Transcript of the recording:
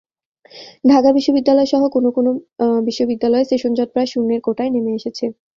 ঢাকা বিশ্ববিদ্যালয়সহ কোনো কোনো বিশ্ববিদ্যালয়ে সেশনজট প্রায় শূন্যের কোটায় নেমে এসেছে।